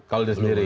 kalau dia sendiri